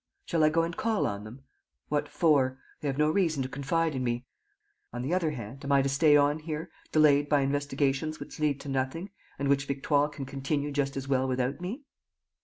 Shall I go and call on them?... What for? They have no reason to confide in me.... On the other hand, am I to stay on here, delayed by investigations which lead to nothing and which Victoire can continue just as well without me?"